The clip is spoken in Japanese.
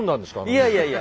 いやいやいや。